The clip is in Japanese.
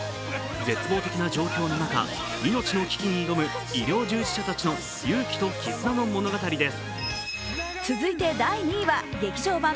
絶望的な状況の中、命の危機に挑む医療従事者たちの勇気と絆の物語です。